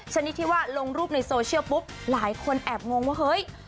ชนิดที่ว่าลงรูปในโซเชียลปุ๊บหลายคนแอบงงว่าเฮ้ย